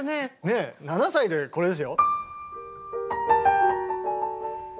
ねえ７歳でこれですよ。